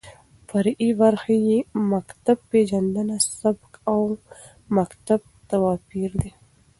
فرعي برخې يې مکتب پېژنده، سبک او مکتب تواپېر دى.